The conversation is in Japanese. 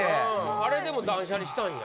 あれでも断捨離したんや。